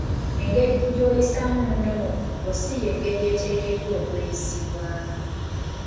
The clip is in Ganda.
Engeri gy'oyisaamu munno mu bufumbo si y'engeri eteekeddwa okweyisibwamu.